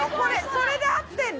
それで合ってんの？